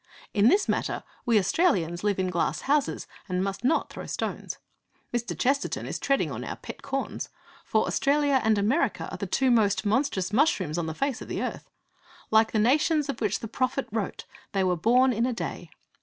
In this matter we Australians live in glass houses and must not throw stones. Mr. Chesterton is treading on our pet corns. For Australia and America are the two most 'monstrous mushrooms' on the face of the earth! Like the nations of which the prophet wrote, they were 'born in a day.'